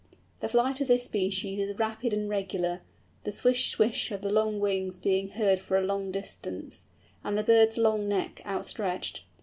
The flight of this species is rapid and regular, the swish swish of the long wings being heard for a long distance, and the bird's long neck outstretched.